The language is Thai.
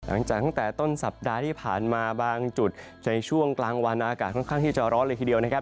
ตั้งแต่ตั้งแต่ต้นสัปดาห์ที่ผ่านมาบางจุดในช่วงกลางวันอากาศค่อนข้างที่จะร้อนเลยทีเดียวนะครับ